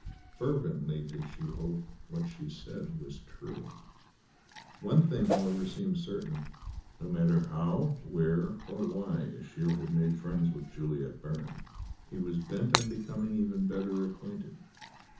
Fervently did she hope that what she said was true. One thing, however, seemed certain. No matter how, where, or why, Ashiel had made friends with Juliet Byrne, he was bent on becoming even better acquainted.